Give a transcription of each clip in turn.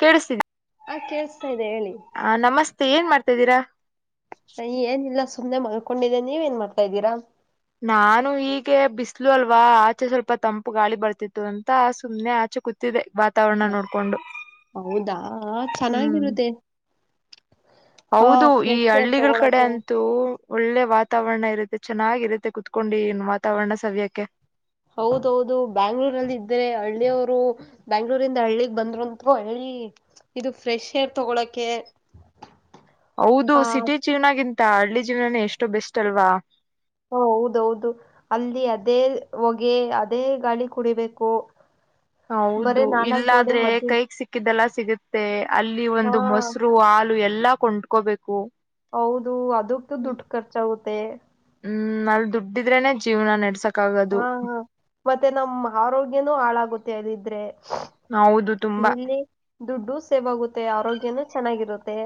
ಕೇಳಿಸ್ತಿದ್ದಿ ಆ ಕೇಸ್ತಾ ಇದೆ ಹೇಳಿ ಹ ನಮಸ್ತೆ ಏನ್ ಮಾಡ್ತಿದ್ದೀರಾ ಏನಿಲ್ಲಾ ಸುಮ್ನೆ ಮಗ್ಕೊಂಡಿದೆೆ ನೀವ ಏನ್ ಮಾಡ್ತಾ ಇದ್ದೀರಾ ನಾನು ಹೀಗೆ ಬಿಸ್ಲು ಅಲ್ವಾ ಆಚೆ ಸ್ವಲ್ಪ ತಂಪು ಗಾಳಿ ಬರ್ತಿತ್ತು ಅಂತ ಸುಮ್ಮ್ನೆ ಆಚೆ ಕೂ ತೀದೆ ವಾತಾವರಣ ನೋಡ್ಕೊಂಡು ಹೌದಾ ಹ್ಮ್ ಚೆನ್ನಾಗಿರುತ್ತೆ ಹಾ ಹೌದು ಈ ಫ್ರೆಶ್ ಏರ್ ಹಳ್ಳಿಗಳ ಕಡೆ ತಗೊಳಕೆ ಅಂತು ಇದು ಒಳ್ಳೆ ವಾತಾವರಣ ಇರುತ್ತೆ ಚೆನ್ನಾಗಿರುತ್ತೆ ಕುೂತ್ಕೊಂಡು ಏನು ವಾತಾವರಣ ಸವ್ಯಕ್ಕೆ ಹೌದೌದು ಬ್ಯಾಂಗ್ಳೂರ್ಲ್ಲಿ ಇದ್ರೆ ಹಳ್ಳಿಯವರು ಬೆಂಗಳೂರು ರಿಂದ ಹಳ್ಳಿಗ್ ಬಂದರುಂತರು ಹಳ್ಳಿ ಇದು ಫ್ರೆಶ್ ಏರ್ ತಗೊಳಕೆ ಹೌದು ಆ ಸಿಟಿ ಜೀವನಗಿಂತ ಹಳ್ಳಿ ಜೀವನೇ ಎಷ್ಟು ಬೆಸ್ಟ್ ಅಲ್ವಾ ಹ ಹೌದೌದು ಅಲ್ಲಿ ಅದೇ ಹೊಗೆ ಅದೇ ಗಾಳಿ ಕುಡಿಬೇಕು ಬರೇ ಹೌದು ನಾಲ್ಕ್ ಗೋಡೆ ಇಲ್ಲಾದ್ರೆ ಮಧ್ಯ ಕೈಗ್ ಸಿಕ್ ಹಕ್ಕಿದ್ದಲ್ಲ ಸಿಗುತ್ತೆ ಅಲ್ಲಿ ಹಾ ಒಂದು ಮೊಸರು ಹಾಲು ಎಲ್ಲಾ ಕೊಂಡ್ಕೋಬೇಕು ಹೌದು ಅದಕ್ಕು ದುಡ್ಡು ಖರ್ಚಾಗುತ್ತೆ ಹ್ಮ್ ಅಲ್ ದುಡ್ಡಿದ್ರೇನೆ ಜೀವನ ನಡ್ಸಕ್ ಆಗೋದು ಹಾ ಹಾ ಮತ್ತೆ ನಮ್ಮ ಆರೋಗ್ಯನೂ ಹಾಳಾಗುತ್ತೆ ಅದಿದ್ರೆ ಹೌದು ತುಂಬಾ ಇಲ್ಲಿ ದುಡ್ಡು ಸೇವ್ ಆಗುತ್ತೆ ಆರೋಗ್ಯನೂ ಚೆನ್ನಾಗಿರುತ್ತೆ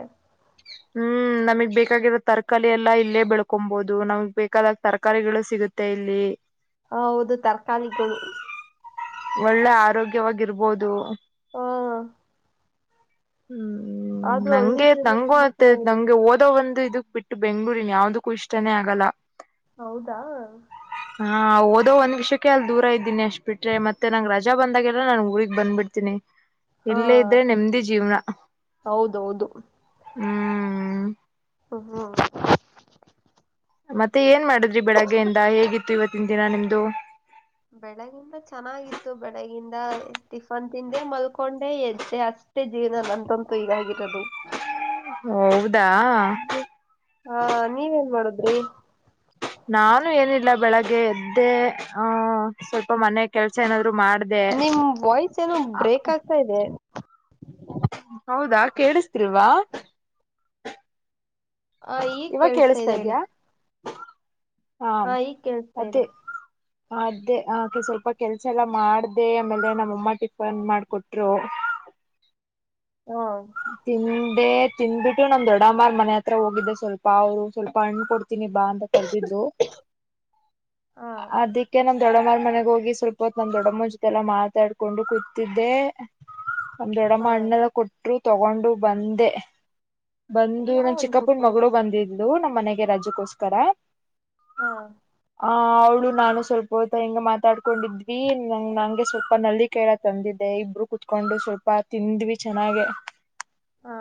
ಹ್ಮ್ ನಮಗ್ ಬೇಕಾಗಿರೋ ತರಕಾರಿ ಎಲ್ಲಾ ಇಲ್ಲೇ ಬೆಳ್ಕೊಬಹುದು ನಮಗ್ ಬೇಕಾದಾಗ ತರಕಾರಿಗಳು ಸಿಗುತ್ತೆ ಇಲ್ಲಿ ಹ ಹೌದು ತರಕಾರಿಗಳು ಒಳ್ಳೆ ಆರೋಗ್ಯವಾಗಿರ್ಬೋದು ಹ್ಮ ಹ್ಮ್ ಆದ್ರೂ ಹಳ್ಳಿ ನಂಗೆ ಜೀವನ ನಂಗೋ ತುಂಬಾ ಚೆನ್ನಾಗಿದೆ ನಂಗೆ ಓದೋ ಒಂದು ಇದಕ್ ಬಿಟ್ಟ ಇ ಬೆಂಗಳೂರಿನ್ ಯಾವ್ದಕ್ಕೂ ಇಷ್ಟನೇ ಆಗಲ್ಲ ಹೌದಾ ಹಾ ಓದೋ ಒಂದ್ ವಿಷಕ್ಕೆ ಅಲ್ಲಿ ದೂರ ಇದೀನಿ ಅಷ್ಟ್ ಬಿಟ್ರೆ ಮತ್ತೆ ನಂಗ್ ರಜಾ ಬಂದಾಗೆಲ್ಲ ನಾನನ್ ಊರಿಗೆ ಬಂದ್ ಬಿಡ್ತೀನಿ [inaudible] ಇಲ್ಲೇ ಇದ್ರೆ ನೆಮ್ದಿ ಜೀವನ.......... ಹೌದೌದು ಹ್ಮ್. ಹ ಹ್ಮ ಮತ್ತೆ ಏನ್ ಮಾಡಿದ್ರಿ ಬೆಳಗ್ಗೆಯಿಂದ ಹೇಗಿತ್ತು ಇವತ್ತಿನ ದಿನ ನಿಮ್ದು. ಬೆಳಗಿಂದ ಚೆನ್ನಾಗಿತ್ತು ಬೆಳಗಿಂದ ಟಿಫನ್ ತಿಂದೇ ಮಲ್ಕೊಂಡೆ ಎದ್ದೆ ಅಷ್ಟ. ಮಷ್ಟೇ ಜೀವನ ನಂತಂತೂ ಈಗಾಗಿರೋದು. ಹೌದಾ ಹಾ ನೀವೇನ್ ಮಾಡುದ್ರಿ. ನಾನು ಏನಿಲ್ಲ ಬೆಳಗ್ಗೆ ಎದ್ದೆ ಆಹ. ಸ್ವಲ್ಪ ಮನೆ ಕೆಲ್ಸ ಏನಾದ್ರು ಮಾಡ್ದ. ಆತಾ ಇದೆ. ಹೌದಾ ಕೇಳಿಸತಿಲವಾ. ಹ ಈಗ್ ಇವಾಗ ಕೇಳಿಸ್ತಾ ಕೇಳಸ್ತಾದೆ ಹೇಳಿ. ಇದ್ಯಾ ಹಾ ಈಗ ಕೇಳಿಸ್ತಾ ಇದೆ ಮತ್ತೇ. ಅದೇ ಆಕೆ ಸ್ವಲ್ಪ ಕೆಲ್ಸ ಎಲ್ಲ ಮಾಡ್ದ ಆಮೇಲೆ ನಮ್ಮಅಮ್ಮ ಟಿಫನ್ ಮಾಡಕೊಟ್ರು. ಹ್ಮ ತಿಂದೆ ತಿಂದ್ಬಿಟ್ಟು ನಮ ದೊಡ್ಡಮ್ಮಾರ್ ಮನೆ ಹತ್ರ ಹೋಗಿದ್ದೆ ಸ್ವಲ್ಪ ಅವ್ರು ಸ್ವಲ್ಪ ಹಣ್ಣು ಕೊಡ್ತ. ಇದೇನಿ ಬಾ ಅಂತ ಕರ್ದಿದ್ರು ಹಾ ಅದಕ್ಕೆ..... ನಮ್ ದೊಡ್ಡಮರ ಮನೆಗ ಹೋಗಿ ಸ್ವಲ್ಪ. ಇಪ್ಪತ್ ನಮ್ ದೊಡ್ಡಮ್ಮ ಜೊತೆಲ್ಲ ಮಾತಾಡ್ಕೊಂಡು ಕೂತಿದ್ದೆ ನಮ್ ದೊಡಮ್ಮ ಹಾ ಹಣೆಲ್ಲ ಕೊಟ್ಟ. ತಗೊಂಡು ಬಂದೆ ಬಂದು ನನ್ ಯಾವನ್ ಚಿಕ್ಕಪ್ಪರ್ ಕೊಟ್ರು ಮಗಳು ಬಂದಿದ. ಇದು ನಮ್ಮ್ ಮನೆಗೆ ರಜೆಗೋಸ್ಕರ. ಹಾ ಆ ಅವಳು ನಾನು ಸ್ವಲ್ಪ ಹೊ ಹಿಂಗ ಮಾತಾಡ್ಕೊಂಡಿದ್ವಿ ನ ನಂಗೆ ಸ್ವಲ್ಪ ನಲ್ಲಿ ಕೈ ತಂದಿದ್ದೆ ಇಬ್ಬರು. ಕುತ್ಕೊಂಡು ಸ್ವಲ್ಪ ತಿಂದ್ವಿ ಚೆನ್ನಾಗ. ಹಾ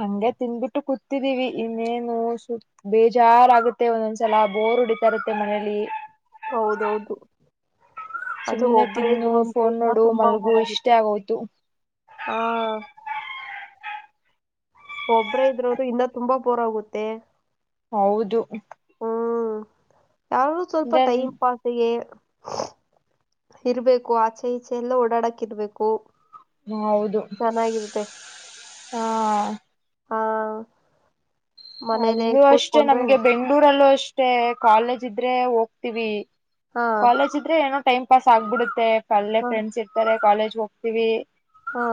ಹಂಗೆ ತಿನ್ನ ಬಿಟ್ಟು ಕೂತಿದೀವಿ ಇನ್ನೇನು ಸುತ್ತ. ಬೇಜಾರಾಗುತ್ತೆ ಒಂದೊಂದ್ಸಲ ಬೋರ್ ಹೊಡಿತಾ ಇರುತ್ತೆ ಮನೆಯಲ್ಲಿ. ಹೌದೌದು ಅದು ಸುಮ್ನೆ ಒಬ್ಬರೇ ತಿನ್ನು ಇದ್ರು ಅಂತೂ ಫೋನ್ ಇಲ್ಲ ನೋಡು ತುಂಬಾ ಮಲ್ಗು ಇಷ್ಟೇ ಗೋರಾಗುತ್ತೆ. ಆಗೋಯ್ತು ಹಾ ಒಬ್ಬ್ರ ಇದ್ರೋದು ಇಂದ ತುಂಬಾ ಬೋರ್ ಆಗುತ್ತೆ. ಹೌದು ಹ್ಮ್ ಯಾರು ಸ್ವಲ್ಪ ದೆನ್ ಟೈಮ್ ಪಾಸ್. ಜಗೆ ಇರ್ಬೇಕು ಆಚೆ ಈಚೆ ಎಲ್ಲ ಓಡಾಡಕ್ ಇರ್ಬೇಕು. ಹೌದು......... ಚೆನ್ನಾಗಿರುತ್ತೆ ಹಾ. ಹಾ ಮನೇಲೆ ಅಲ್ಲೂ ಅಷ್ಟೇ ಕೂತ್ಕೊಂಡ್ರೆ ನಮ್ಗೆ ಬೆಂಗ್ಳೂರಲ್ಲೂ ಅಷ್ಟೇ ಕಾಲೇಜ್ ಇದ್ರೆ ಹೋಗ್ತೀವಿ. ಹಾ ಕಾಲೇಜ್ ಇದ್ರೆ ಏನೋ ಟೈಮ್ ಪಾಸ್ ಆಗ್ಬಿಡುತ್ತೆ ಅಲ್ಲೆ ಹಾ ಫ್ರೆಂಡ್ಸ್ ಇರ್ತಾರೆ ಕಾಲೇಜ್ ಹೋಗ್ತೀವಿ. ಹಾ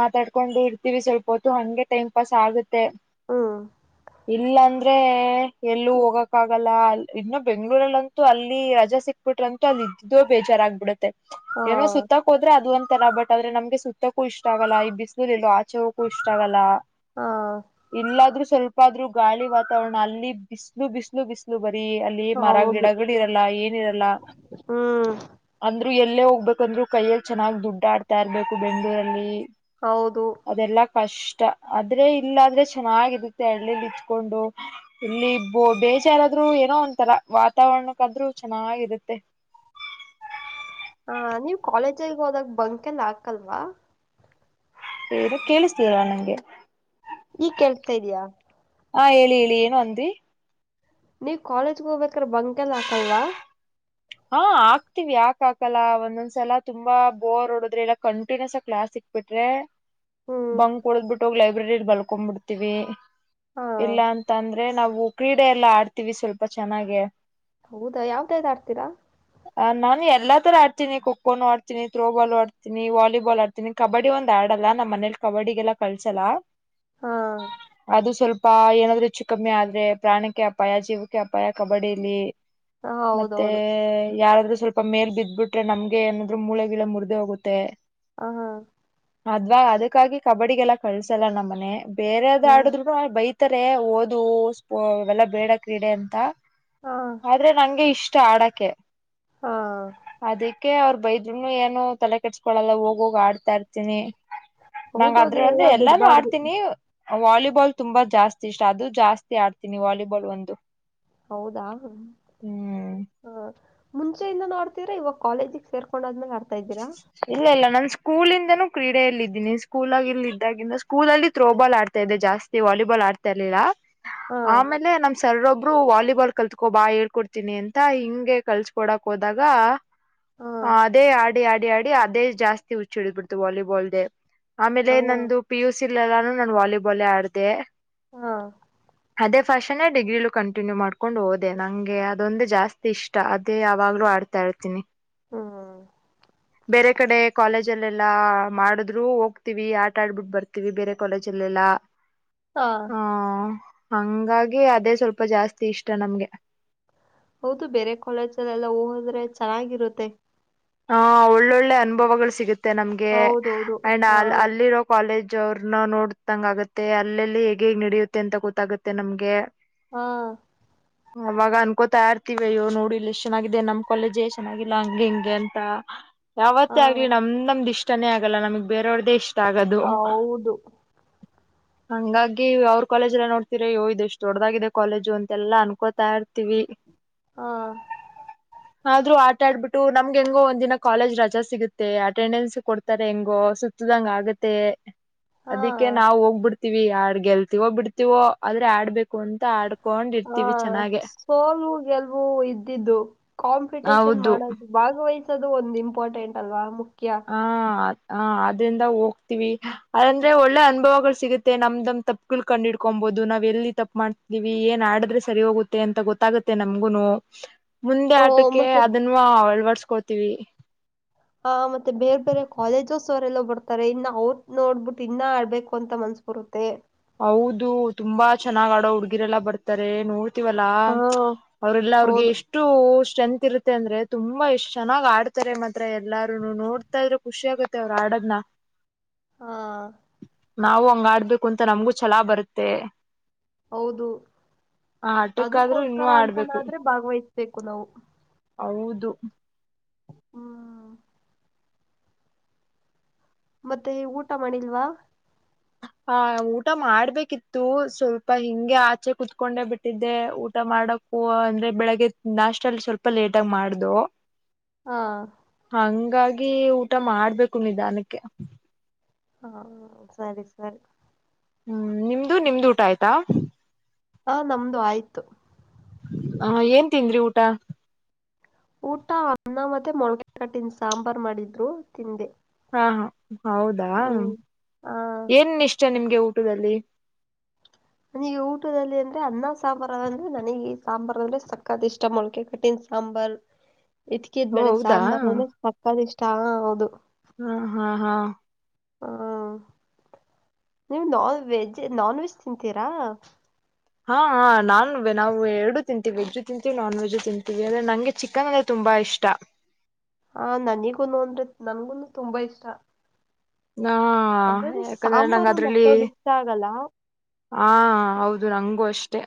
ಮಾತಾಡ್ಕೊಂಡು ಇರ್ತೀವಿ ಸ್ವಲ್ಪ ಹೊತ್ತು ಹಂಗೆ ಟೈಮ್ ಪಾಸ್ ಆಗುತ್ತೆ. ಹಾ ಇಲ್ಲ ಅಂದ್ರೆ ಎಲ್ಲೂ ಹೋಗಕ ಆಗಲ್ಲ. ಇನ್ನು ಬೆಂಗ್ಗಳೂರಲ್ಲಂತೂ ಅಲ್ಲಿ ರಜಾ ಸಿಕ್ಬಿಟ್ರಂತೂ ಅಲ್ಲಿ ಇದ್ದು ಬೇಜಾರಾಗಗ್ಬಿಡುತ್ತೆ. ಹಾ ಏನೋ ಸುತ್ತಕ್ ಹೋದ್ರೆ ಅದು ಒಂತರ ಬಟ್. ಆದ್ರೆ ನಮ್ಗೆ ಸುತ್ತಕ್ಕೂ ಇಷ್ಟ ಆಗಲ್ಲ ಈ ಬಿಸಿಲುೂರ್ ಎಲ್ಲೋ ಆಚೆಗೂ ಇಷ್ಟ ಆಗಲ್ಲ. ಹಾ ಇಲ್ಲಾದ್ರೂ ಸ್ವಲ್ಪಾದ್ರೂ ಗಾಳಿ ವಾತಾವರಣ ಅಲ್ಲಿ ಬಿಸ್ಲು ಬಿಸ್ಲು ಬಿಸ್ಲು. ಬರಿ ಅಲ್ಲಿ ಮರ ಹೌದು ಗಿಡಗಳ ಇರಲ್ಲ ಏನಿರಲ್ಲ ಹ್ಮ್ [inaudible] ಅಂದ್ರು ಎಲ್ಲೇ ಹೋಗ್ಬೇಕಂದ್ರು ಕೈಯಲ್ಲಿ ಚೆನ್ನಾಗ್ ದುಡ್ಡಾಡ್ತಾ ಇರ್ಬೇಕು ಬೆಂಗ್ಗಳೂರಲ್ಲಿ ಹೌದು ಅದೆಲ್ಲಾ ಕಷ್ಟ ಆದ್ರೆ ಇಲ್ಲಾದ್ರೆ ಚೆನ್ನಾಗಿರುತ್ತೆ ಹಳ್ಳಿಲಿ ಇತ್ಕೊಂಡು ಇಲ್ಲಿ ಬೊ ಬೇಜಾರಾದ್ರು ಏನೋ ಒಂತರ ವಾತಾವರಣಕ್ಕಾದ್ರೂ ಚೆನ್ನಾಗಿರುತ್ತೆ ಹ ನೀವ್ ಕಾಲೇಜಗೆ ಹೋದಾಗ ಬಂಕೆಲ್ಲ ಹಾಕಲ್ವಾ? ಹೇಳಿ ಕೇಳಿಸ್ತಲ್ ನಂಗೆ ಈಗ್ ಕೇಳ್ತಾ ಇದೆಯಾ ಹಾ ಹೇಳಿ ಹೇಳಿ ಏನು ಅಂದ್ರರಿ ನೀವ್ ಕಾಲೇಜ್ಗ ಹೋಗ್ಬೇಕ್ರ ಬಂಕ ಎಲ್ಲಾ ಹಾಕಲ್ಲ್ವಾ ಹಾ ಆಕ್ತಿವಿ ಯಾಕ ಹಾಕಲ್ಲ ಒಂದೊಂದ್ಸಲ ತುಂಬಾ ಬೋರ್ ಓಡದ್ರೆಲ್ಲಾ ಕಂಟಿನ್ಯೂಸ್ ಆ ಕ್ಲಾಸ್ ಸಿಕ್ತ ಬಿಟ್ರೆ ಹ್ಮ್ ಬಂಕ್ ಹೊಡದ್ ಬಿಟ್ಟೋಗಿ ಲೈಬ್ರರಿಲ್ ಮಲ್ಕೋ ಬಿಡ್ತಿವಿ ಹಾ ಇಲ್ಲ ಅಂತ ಅಂದ್ರೆ ನಾವು ಕ್ರೀಡೆ ಎಲ್ಲ ಆಡ್ತೀವಿ ಸ್ವಲ್ಪ ಚೆನ್ನಾಗೆ ಹೌದಾ ಯಾವ್ದ ಯಾವ್ದ ಆಡ್ತೀರಾ ನಾನು ಎಲ್ಲ ತರ ಆಡತೀನಿ ಖೋ ಖೋನು ಆಡ್ತೀನಿ ತ್ರೋಬಾಲ್ ಆಡ್ತನಿ ನಿ ವಾಲಿಬಾಲ್ ಆಡ್ತೀನಿ ಕಬಡ್ಡಿ ಒಂದ್ ಆಡಲ್ಲ ನಮ್ಮ್ ಮನೇಲಿ ಕಬಡ್ಡಿಗೆಲ್ಲ ಕಳ್ಸಲ್ಲ ಹಾ [inaudible] ಅದು ಸ್ವಲ್ಪ ಅಪ್ಪಾ ಏನಾದ್ರು ಹೆಚ್ಚು ಕಮ್ಮಿ ಆದ್ರೆ ಪ್ರಾಣಕ್ಕೆ ಅಪಾಯ ಜೀವಕ್ಕೆ ಅಪಾಯ ಕಬಡ್ಡಿಲಿ ಹಾ [inaudible] ಮತ್ತೆ ಹೌದೌದು ಮತ್ತೆ ಯಾರಾದ್ರರು ಸ್ವಲ್ಪ ಮೇಲ್ ಬಿದ್ದ್ಬಿಟ್ರೆ ನಮ್ಗೆ ಏನಾದ್ರು ಮೂಳೆಗಿಳ ಮುರ್ದೇ ಹೋಗುತ್ತೆ ಹಾಆ ಅದ್ವಾ ಅದಕ್ಕಾಗಿ ಕಬಡ್ಡಿಗೆಲ್ಲ ಕಳ್ಸಲ್ಲ ನಮ್ಮನೆ ಬೇರೆದ್ ಹ್ಮ್ ಆಡುದ್ರುನು ಬೈತ ಸುಮ್ಮ್ನೆ ಓದು ಸ್ಪೋ ಇವೆಲ್ಲ ಬೇಡ ಕ್ರೀಡೆ ಅಂತ ಹಾ [inaudible] ಆದ್ರೆ ನಂಗೆ ಇಷ್ಟ ಆಡಕೆ ಹಾ [inaudible] ಅದಿ ಸುಮ್ಮ್ನೆ ಅವರು ಬೈದ್ನು ಏನು ತಲೆ ಕೆಟ್ಸ್ಕೊಳಲ್ಲ ಹೋಗ ಹೋಗ ಆಡ್ತಾ ಇರ್ತೀನಿ [inaudible] ನಂಗ ಹೌದೌದು ಅದ್ರ ಎಲ್ಲ ಅದೆ ಎಲ್ಲಾನು ಬಿಡ್ಬಾರ್ದು ಆಡ್ತೀನಿ ವಾಲಿಬಾಲ್ ತುಂಬಾ ಜಾಸ್ತಿ ಇಷ್ಟ ಅದು ಜಾಸ್ತಿ ಆಡ್ತೀನಿ ವಾಲಿಬಾಲ್ ಒಂದು ಹೌದಾ ಹ್ಮ್. [unintelligible] ಮುಂಚೆಯಿಂದನು ಆಡ್ತ ಇದ್ದೀರಾ ಇವಾಗ ಕಾಲೇಜಿಗೆ ಸೇರಕೊಂಡ ಆದ್ಮೇಲೆ ಆಡ್ತಾ ಇದ್ದೀರಾ ಇಲ್ಲ ಇಲ್ಲ ನಾನ್ ಸ್ಕೂಲಿಂದನೂ ಕ್ರೀಡೆಯಲ್ಲ ಇದ್ದೀನಿ ಸ್ಕೂಲಗ ಇಲ್ಲ ಇದ್ದಾಗಿಂದ ಸ್ಕೂಲ ಅಲ್ಲಿ ತ್ರ್ರೋ ಬಾಲ್ ಆಡ್ತಾ ಇದೆ ಜಾಸ್ತಿ ವಾಲಿಬಾಲ್ ಆಡ್ತಾ ಇರ್ಲಿಲ್ಲ ಹಾ ಆಮೇಲೆ ನಮ್ಮ್ ಸರ್ ಒಬ್ಬರ್ ಒಬ್ರು ವಾಲಿಬಾಲ್ ಕಲ್ತ್ಕೊ ಬಾ ಹೇಳ್ಕೊಡ್ತೀನಿ ಅಂತ ಹಿಂಗೆ ಕಲ್ಸ್ಕೊಡಕ್ ಹೋದಾಗ [inaudible] [inaudible] ಹಾ ಅದೇ ಆಡಿ ಆಡಿ ಆಡಿ ಅದೇ ಜಾಸ್ತಿ ಹುಚ್ಚಿಡಿದ್ಬಿಡ್ತು ವಾಲಿಬಾಲ್ದೆ ಆಮೇಲೆ ಹಾ ನಂದು ಪಿ ಯು ಸಿ ಲೆಲ್ಲಾನು ನಾನು ವಾಲಿಬಾಲ್ಲೇ ಆಡದೆ ಹಾ ಅದೇ ಫಾಷನೇ ಡಿಗ್ರಿಲು ಕಂಟಿನ್ಯೂ ಮಾಡ್ಕೊಂಡು ಹೋದೆ ನಂಗೆ ಅದೊಂದು ಜಾಸ್ತಿ ಇಷ್ಟ ಅದೇ ಯಾವಾಗ್ಲೂ ಆಡ ತಾಳ್ತೀನಿ ಹ್ಮ್ ಬೇರೆ ಕಡೆ ಕಾಲೇಜಲ್ಲೆಲ್ಲಾ ಮಾಡಿದ್ರು ಹೋಗ್ತೀವಿ ಆಟ ಆಡ್ಬಿಟ್ಟ ಬರ್ತೀವಿ ಬೇರೆ ಕಾಲೇಜಲ್ಲೆಲ್ಲಾ [inaudible] ಹಾ ಆ ಹಂಗಾಗಿ ಅದೇ ಸ್ವಲ್ಪ ಜಾಸ್ತಿ ಇಷ್ಟ ನಮ್ಗೆ. ಹೌದು ಬೇರೆ ಕಾಲೇಜಲ್ಲ ಎಲ್ಲ ಹೋದ್ರೆ ಚೆನ್ನಾಗಿರುತ್ತೆ ಹ ಒಳ್ಳೊಳ್ಳೆ ಅನುಭವಗಳು ಸಿಗುತ್ತೆ ನಮ್ಗೆ ಹೌದೌದು ಅಂಡ್ ಅ ಹಾ ಅಲ್ಲಿರೋ ಕಾಲೇಜ್ ಅವ್ರನ್ನ ನೋಡತಂಗ ಆಗತ್ತೆ ಅಲ್ಲೆಲ್ಲಿ ಹೇಗ್ ಹೇಗ್ ನಡಿಯುತ್ತೆ ಅಂತ ಗೊತ್ತಾಗುತ್ತೆ ನಮ್ಗೆ ಹಾ ಅವಾಗ ಅನ್ಕೋತಾ ಇರ್ತಿವ ಅಯೋ ನೋಡು ಇಲ್ಲ್ ಎಷ್ಟ್ ಚೆನ್ನಾಗಿದೆ ನಮ್ ಕಾಲೇಜ್ ಚೆನ್ನಾಗಿಲ್ಲ ಹಂಗ ಹಿಂಗೆ ಹಾ ಯಾವತ್ತೇ ಆಗ್ಲಿ ನಮ್ ನಮ್ದ್ ಇಷ್ಟಾನೇ ಆಗಲ್ಲ ನಮಗ್ ಬೇರೆ ಅವ್ರದೇ ಇಷ್ಟ ಆಗದು ಹೌದು [inaudible] ಹಂಗಾಗಿ ಅವ್ರ ಕಾಲೇಜ್ ಎಲ್ಲ ನೋಡ್ತೀರ ಯ್ಯೂ ಇದ ಎಷ್ಟ ದೊಡ್ಡ್ದಾಗಿದೆ ಕಾಲೇಜು ಅಂತೆಲ್ಲಾ ಅನ್ಕೋತಾ ಇರ್ತಿವಿ ಹಾ ಆದ್ರೂ ಆಟ ಆಡ್ಬಿಟ್ಟು ನಮ್ ನಮ್ಗ್ ಹೆಂಗೋ ಒಂದ್ ದಿನ ಕಾಲೇಜ್ ರಜಾ ಸಿಗುತ್ತೆ ಅಟೆಂಡೆನ್ಸ್ ಕೊಡ್ತಾರೆ ಹೆಂಗೋ ಸುತ್ತದಂಗ ಆಗತ್ತೆ ಅದಿಕ್ಕೆ ಹಾ ನಾವು ಹೋಗ್ಬಿಡ್ತೀವಿ ಯಾರ್ ಗೆಲ್ತಿವೋ ಬಿಡ್ತೀವೋ ಆದ್ರೆ ಆಡ್ಬೇಕು ಅಂತ ಆಡ್ಕೊಂಡ್ ಹಾ ಇರ್ತೀವಿ ಚೆನ್ನಾಗೆ ಸೋಲು ಗೆಲ್ವು ಇದ್ದಿದ್ದು ಕಾಂಪಿಟೇಷನ್ ಹೌದು ಮಾಡೋದು ಭಾಗವಹಿಸದು ಒಂದ್ ಇಂಪಾರ್ಟೆಂಟ್ ಅಲ್ವಾ ಮುಖ್ಯ ಹ ಹ ಅದ್ರಿಂದ ಹೋಗ್ತೀವಿ ಅಂದ್ರೆ ಒಳ್ಳೆ ಅನುಭವಗಳು ಸಿಗುತ್ತೆ ನಮ್ದಮ್ ತಪ್ಪ ಗಳ್ ಕಂಡ ಹಿಡ್ಕೊಂಬಹದು ನಾವ ಎಲ್ಲಿ ತಪ್ಪ ಮಾಡ್ತೀವಿ ಏನ್ ಆಡಿದ್ರೆ ಸರಿ ಹೋಗುತ್ತೆ ಅಂತ ಗೊತ್ತಾಗುತ್ತೆ ನಮಗೂನು ಮುಂದೆ ಆ ಆಟಕ್ಕೆ ಮತ್ತೆ ಅದನ್ನು ಅಳ್ವಡ್ಸ್ಕೋತೀವಿ ಹ ಮತ್ತೆ ಬೇರೆ ಬೇರೆ ಕಾಲೇಜಸ್ ಅವರೆಲ್ಲ ಬರ್ತಾರೆ ತಾರೆ ಇನ್ನ್ ಅವ್ರನ್ ನೋಡ್ಬಿಟ್ಟು ಇನ್ನ ಆಡ್ಬೇಕು ಅಂತ ಮನ್ಸ್ ಬರುತ್ತೆ ಹೌದು ತುಂಬಾ ಚೆನ್ನಾಗ್ ಆಡೋ ಹುಡ್ಗಿರೆಲ್ಲಾ ಬರ್ತಾರೆ ನೋಡ್ ತಿವಲ್ಲ ಹಾ ಅವರೆಲ್ಲ ಅವ್ರಿಗೆ ಹೌದು ಎಷ್ಟು ಎಷ್ಟು ಸ್ಟ್ರೆಂತ್ ಇರುತ್ತೆ ಅಂದ್ರೆ ತುಂಬಾ ಎಷ್ಟ್ ಚೆನ್ನಾಗ್ ಆಡ್ತಾರೆ ಮಾತ್ರ ಎಲ್ಲಾರೂನೋ ನೋಡ್ ತ್ತಿದ್ರೆ ಖುಷಿ ಆಗುತ್ತೆ ಅವ್ರ ಆಡದನ ಹಾ ನಾವು ಹಂಗ ಆಡ್ಬೇಕು ಅಂತ ನಮ್ಗೂ ಛಲಾ ಬರತ್ತೆ ಹೌದು ಆಟಕ್ಕಾದ್ರೂ ಇನ್ನೂ ಅದಕ್ಕೋಸ್ಕರ ಆಡ್ಬೇಕು ಅಂತನಾದ್ರೆ ಭಾಗವಹಿಸ್ಬೇಕು ನಾವು ಹೌದು ಹ್ಮ ಮತ್ತೆ ಊಟ ಮಾಡಿಲ್ವಾ ಹ ಊಟ ಮಾಡ್ಬೇಕಿತ್ತು ಸ್ವಲ್ಪ ಹಿಂಗೆ ಆಚೆ ಕೂತ್ಕೊಂಡೆ ಬಿಟ್ಟಿದ್ದೆ ಊಟ ಮಾಡಕ್ ಹೂ ಅಂದ್ರೆ ಬೆಳಗ್ಗೆ ನಾಷ್ಟಟಲ್ಲ ಸ್ವಲ್ಪ ಲೇಟಗ ಮಾಡ್ದೂ ಹಾ ಹಂಗಾಗಿ ಊಟ ಮಾಡ್ಬೇಕು ನಿಧಾನಕ್ಕೆ ಹಾ ಸರಿ ಸರಿ ಹ್ಮ್ ನಿಮ್ದು ನಿಮ್ದು ಊಟ ಆಯ್ತಾ ಹ ನಮ್ದು ಆಯ್ತು ಹ ಏನ್ ತಿಂದ್ರಿ ಊಟ ಊಟ ಅನ್ನ ಮತ್ತೆ ಮೊಳಗೆ ಕಟ್ಟಿನ ಸಾಂಬಾರ್ ಮಾಡಿದ್ರು ತಿಂದೆ ಹಾ ಹೌದಾ ಹ್ಮ್ ಹ ಏನ್ ಇಷ್ಟ ನಿಮ್ಗೆ ಊಟದಲ್ಲಿ ನನಗೆ ಊಟದಲ್ಲಿ ಅಂದ್ರೆ ಅನ್ನ ಸಾಂಬಾರು ಅಂದ್ರೆ ನನಗೆ ಈ ಸಾಂಬಾರ್ ಅಂದ್ರೆ ಸಕ್ಕತ್ ಇಷ್ಟ ಮೊಳಕೆ ಕಠಿನ್ ಸಾಂಬಾರ್ ಓ ಇತ್ಕಿದ್ಬಳೆ ಹೌದಾ ಸಾಂಬಾರ್ ನನಗ್ ಸಕ್ಕತ್ ಇಷ್ಟ ಹಾ ಹೌದು ಹಾ ಹಾ ಹಾ ಹ ನೀವ್ ನಾ ವೆಜ್ ನಾನ್ ವೆಜ್ ತಿಂತೀರಾ ಹಾ ನಾನ್ ನಾವು ಎರಡು ತಿಂತೀವಿ ವೆಜ್ ತಿಂತೀವಿ ನಾನ್ ವೆಜ್ ತಿಂತೀವಿ ಅಂದ್ರೆ ನಂಗೆ ಚಿಕನ್ ತುಂಬಾ ಇಷ್ಟ ಹ ನನಿಗೂನು ಅಂದ್ರೆ ನನ್ಗುನು ತುಂಬಾ ಇಷ್ಟ ನಾ ಅದ್ರಲ್ಲಿ ಯಾಕಂದ್ರೆ ನನಗ ಸಾಂಬಾರು ಒಂದ್ ಅದ್ರಲ್ಲಿ ಅಷ್ಟೊಂದ್ ಇಷ್ಟ ಆಗಲ್ಲ ಹಾ ಹೌದು ನಂಗೂ ಅಷ್ಟೇ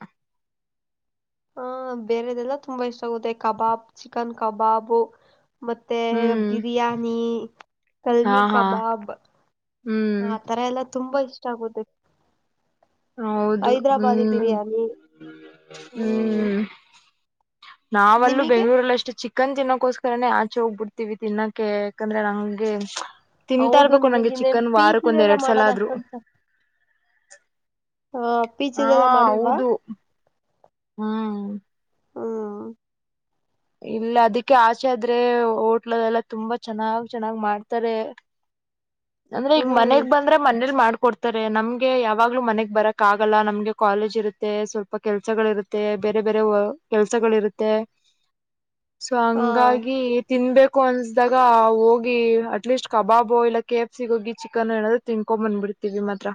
ಹ ಬೇರೆದೆಲ್ಲ ತುಂಬಾ ಇಷ್ಟ ಆಗುತ್ತೆ ಕಬಾಬ್ ಚಿಕನ್ ಕಬಾಬು ಮತ್ತೆ ಹ್ಮ್ ಬಿರಿಯಾನಿ ಹಾ ಕಲ್ಮಿ ಹಾ ಕಬಾಬ್ ಹ್ಮ್ ಆ ತರ ಎಲ್ಲ ತುಂಬಾ ಇಷ್ಟ ಆಗುದ ಹೌದು ಹೈದ್ರಾಬಾದಿ ಹ್ಮ್ ಬಿರಿಯಾನಿ ಹ್ಮ್ ನಾವಲ್ಲೂ ನಿಮಗೆ ಬೆಂಗಳೂಲ್ಲಿ ಅಷ್ಟು ಚಿ ಚಕ್ಕಂದ ತಿನ್ನಕ್ಕೋಸ್ಕರನೇ ಆಚೆ ಹೋಗ್ಬಿಡ್ತೀವಿ ತಿನ್ನೋಕ್ಕೆೆ ಯಾಕಂದ್ರೆ ನಂಗೆ ತಿಂತಾ ಹೌದು ಇರ್ಬೇಕು ನಂಗೆ ನಿಮಗಿನ್ನ ಚಿಕನ್ ಪಿ ವಾರಕ್ ಒಂದ್ ಜಿಲೆಲ್ಲ ಎರಡ್ ಸಲ ಮಾಡೋದ ಆದ್ರರು ಅಷ್ಟೊಂದು ಹ ಹಾ ಪೀಚದೆಲ್ಲ ಮಾಡುವ್ವಾ ಹೌದು ಹ್ಮ್ ಹ್ಮ್ ಇಲ್ಲ ಅದಕ್ಕೆ ಆಚೆ ಆದ್ರೆ ಹೋಟ್ಲ ಎಲ್ಲ ತುಂಬಾ ಚೆನ್ನಾಗ್ ಚೆನ್ನಾಗ್ ಮಾಡ್ತಾರೆ [inaudible] ಅಂದ್ರೆ ಈಗ ಹ್ಮ್ ಮನೆಗ್ ಬಂದ್ರ ಮನೇಲಿ ಮಾಡಕಡ್ [unintelligible] ನಮ್ಗೆ ಯಾವಾಗ್ಲೂ ಮನೆಗ್ ಬರಕ್ ಆಗಲ್ಲ ನಮ್ಗೆ ಕಾಲೇಜ್ ಇರುತ್ತೆ ಸ್ವಲ್ಪ ಕೆಲ್ಸಗಳು ಇರುತ್ತೆ ತ್ತ ಬೇರೆ ಬೇರೆ ಕೆಲ್ಸಗಳ ಇರುತ್ತೆ ಸೊ ಹಾ ಹಂಗಾಗಿ ತಿನ್ಬೇಕು ಅನ್ಸ್ದಾಗ ಹೋಗಿ ಅಟ್ಲೀಸ್ಟ್ ಕಬಾಬು ಇಲ್ಲ ಕೆ ಎಫ್ ಸಿಿಗೆ ಹೋಗಿ ಚಿಕನ್ ಹೇಳ ತಿನ್ಕೊ ಬಂದ್ಬಿಡ್ತೀವಿ ಮಾತ್ರ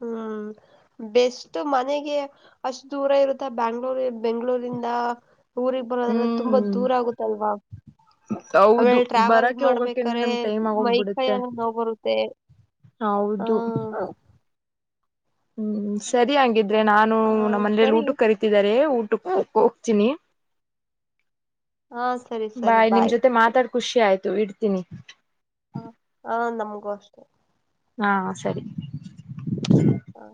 ಹ್ಮ್ ಬೆಸ್ಟ್ ಮನೆಗೆ ಅಷ್ಟ ದೂರ ಇರುತ್ತೆ ಬ್ಯಾಂಗ್ಳೂರ್ ಬೆಂಗ್ಗಳೂರಿಂದ ಊರಿಗೆ ಬರೋದ್ರೆ ತುಂಬಾ ಹ್ಮ್ ದೂರ ಆಗುತ್ತಲ್ವಾ ಹೌದು ಆಮೇಲೆ ಟ್ರಾವೆಲ್ ಬರಕೆ ಹೋಗಕೇನೆ ಮಾಡ್ಬೇಕ್ರೆ ನಮ್ ಟೈಮ್ ಆಗೋಗ್ಬಿಡುತ್ತೆ ಮೈಕೈಲ್ಲ ನಾವವು ಬರುತ್ತೆ ಹ ಹೌದು ಹ್ಮ್ ಸರಿ ಹಾಗಂದ್ರೆ ನಾನು ಹ ನಮ್ಮನೆಯಲ್ಲಿ ಸರಿ ಊಟ ಕರಿತಿದ್ದಾರೆ ಊಟಕ್ಕೆ ಹೋ ಹೋಗ್ತೀನಿ ಹಾ ಸರಿ ಸರಿ ಬಾಯ್ ನಿಮ್ ಜೊತೆ ಮಾತಾಡ್ ಖುಷಿ ಆಯ್ತು. ಇಡ್ತೀನಿ ಹಾ ಹಾ ನಮಗೂ ಅಷ್ಟೆ. ಹಾ ಸರಿ. ಹು